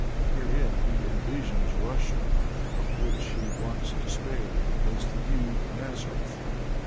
Herein he envisions Russia, of which he once despaired, as the new Nazareth.